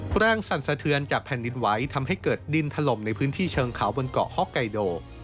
แรงสั่นสะเทือนจากแผ่นดินไหวทำให้เกิดดินถล่มในพื้นที่เชิงเขาบนเกาะฮอกไกโด